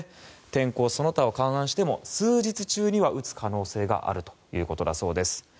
天候、その他を勘案しても数日中には撃つ可能性があるということです。